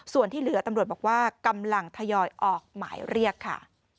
ส่วนที่เหลือตำรวจบอกว่ากำลังทยอยออกหมายเรียกค่ะ